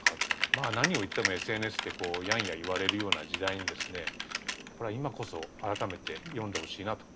まあ何を言ってもＳＮＳでやんや言われるような時代にですねこれは今こそ改めて読んでほしいなと。